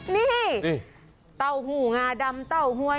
นี่เต้าหูงาดำเต้าหวย